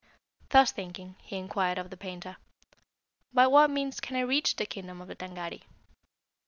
"Thus thinking, he inquired of the painter, 'By what means can I reach the kingdom of the Tângâri?'